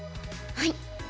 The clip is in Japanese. はい。